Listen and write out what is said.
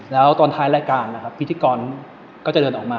แล้วตอนท้ายรายการนะครับพิธีกรก็จะเดินออกมา